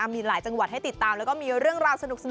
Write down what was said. มีหลายจังหวัดให้ติดตามแล้วก็มีเรื่องราวสนุก